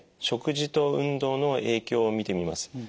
食事と運動の影響を見てみます。